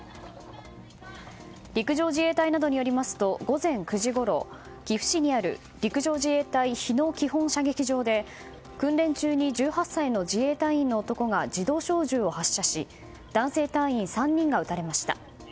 陸上自衛隊などによりますと午前９時ごろ岐阜市にある陸上自衛隊日野基本射撃場で訓練中に１８歳の自衛隊員の男が自動小銃を発射し男性隊員３人が撃たれました。